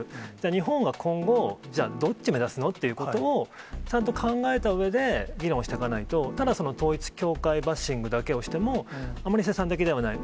日本は今後、じゃあ、どっち目指すの？っていうことを、ちゃんと考えたうえで議論をしていかないと、ただその統一教会バッシングだけをしても、あまり生産的ではない。